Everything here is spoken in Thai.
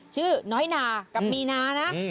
ชื่อน้อยนากับมีนานะ